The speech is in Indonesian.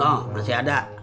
oh masih ada